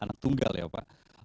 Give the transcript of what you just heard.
anak tunggal ya pak